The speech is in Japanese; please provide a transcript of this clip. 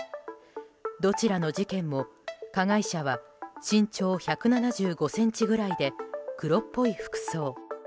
どちらの事件も加害者は身長１７５ｃｍくらいで黒っぽい服装。